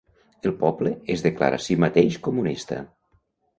El poble es declara a si mateix comunista.